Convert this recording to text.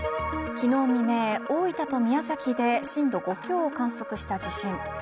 昨日未明、大分と宮崎で震度５強を観測した地震。